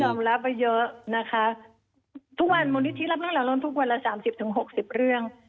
เยอะค่ะยังรับไปเยอะนะคะทุกวันมูลนิธิรับน้องเหล่าโรงทุกวันละ๓๐๖๐เรื่อง